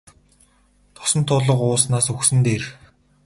Тосон туулга ууснаас үхсэн нь дээр.